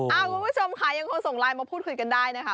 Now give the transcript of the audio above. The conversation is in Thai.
คุณผู้ชมค่ะยังคงส่งไลน์มาพูดคุยกันได้นะคะ